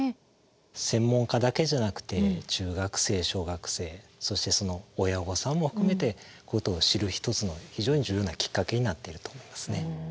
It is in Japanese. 専門家だけじゃなくて中学生小学生そしてその親御さんも含めてこういうことを知る一つの非常に重要なきっかけになっていると思いますね。